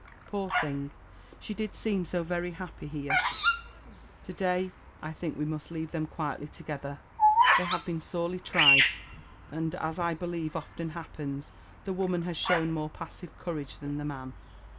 Poor thing ! she did seem so very happy here! To day I think we must leave them quietly togethet^^ fheyhave Iwea aorely tried, and, as 1 believe often happens^ the wo man has shown more passive courage than the man.